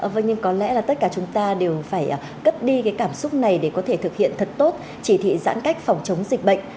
vâng nhưng có lẽ là tất cả chúng ta đều phải cất đi cái cảm xúc này để có thể thực hiện thật tốt chỉ thị giãn cách phòng chống dịch bệnh